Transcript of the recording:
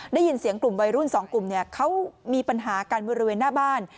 ได้ยินเสียงกลุ่มวัยรุ่นสองกลุ่มเขามีปัญหากันบริเวณหน้าบ้าน